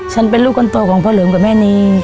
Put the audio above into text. เป็นลูกคนโตของพ่อเหลิมกับแม่นี